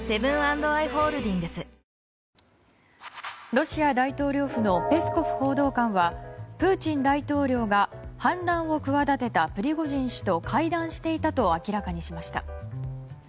ロシア大統領府のペスコフ報道官はプーチン大統領が反乱を企てたプリゴジン氏と会談していたと明らかにしました。